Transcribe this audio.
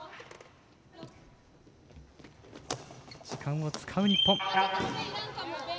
時間を使う日本。